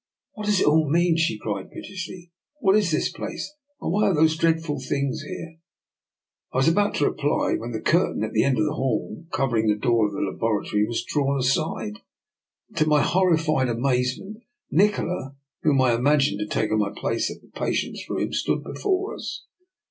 What does it all mean? " she cried pite ously. " What is this place, and why are these dreadful things here? " I was about to reply, when the curtain at the end of the hall, covering the door of the laboratory, was drawn aside, and to my horri fied amazement, Nikola, whom I imagined had taken my place in the patient's room, stood before us.